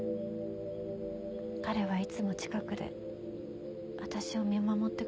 彼はいつも近くで私を見守ってくれてた。